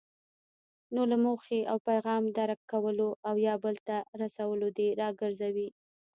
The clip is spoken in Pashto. نو له موخې او پیغام درک کولو او یا بل ته رسولو دې راګرځوي.